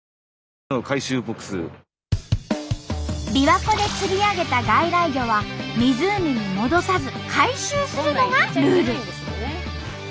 びわ湖で釣り上げた外来魚は湖に戻さず回収するのがルール。